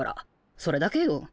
それだけよ。